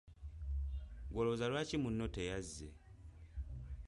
Ggwe olowooza lwaki munno teyazze?